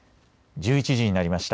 １１時になりました。